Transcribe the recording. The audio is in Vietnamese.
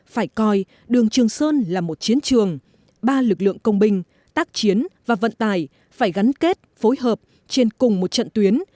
phải coi đường trường sơn là một chiến trường ba lực lượng công binh tác chiến và vận tài phải gắn kết phối hợp trên cùng một trận tuyến